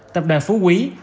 tập đoàn phú quý